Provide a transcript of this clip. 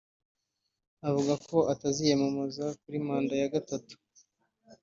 avuga ko ataziyamamaza kuri manda ya gatatu